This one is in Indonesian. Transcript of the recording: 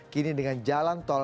kini dengan jalan tol